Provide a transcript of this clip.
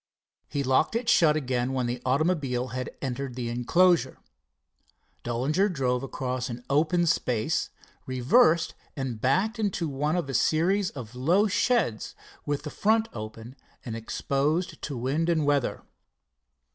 He locked it shut again when the automobile had entered the enclosure. Dollinger drove across an open space, reversed, and backed into one of a series of low sheds with the front open and exposed to wind and weather.